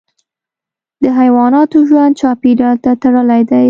د حیواناتو ژوند چاپیریال ته تړلی دی.